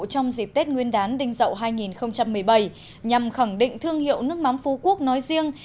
trong dịp tết nguyên đán đình dậu hai nghìn một mươi bảy nhằm khẳng định thương hiệu nước mắm phú quốc nói riêng